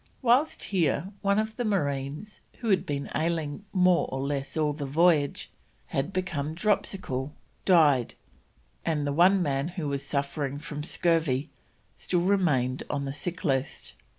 Whilst here one of the marines, who had been ailing more or less all the voyage, and had become dropsical, died, and the one man who was suffering from scurvy still remained on the sick list.